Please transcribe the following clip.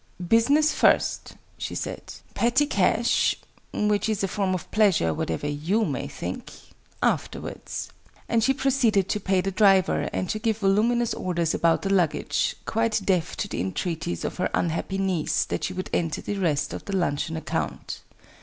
"Business first," she said: "petty cash which is a form of pleasure, whatever you may think afterwards." And she proceeded to pay the driver, and to give voluminous orders about the luggage, quite deaf to the entreaties of her unhappy niece that she would enter the rest of the luncheon account.